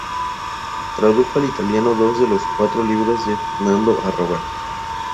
Tradujo al italiano dos de los cuatro libros de Fernando Arrabal.